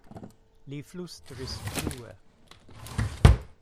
li flustris plue.